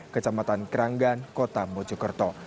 kecamatan keranggan kota mojokerto